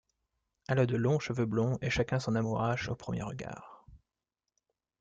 Elle a de longs cheveux blonds et chacun s'en amourache au premier regard.